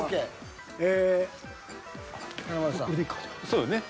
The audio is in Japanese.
そうよね。